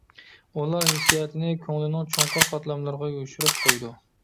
ئۇلار ھېسسىياتىنى كۆڭلىنىڭ چوڭقۇر قاتلاملىرىغا يوشۇرۇپ قويىدۇ.